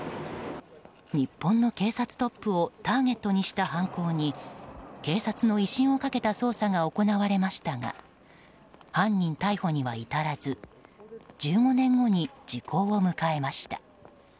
日本の警察トップをターゲットにした犯行に警察の威信をかけた捜査が行われましたが犯人逮捕には至らず１５年後に時効を迎えました。